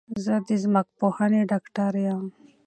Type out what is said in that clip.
زه د ځمکپوهنې ډاکټر یم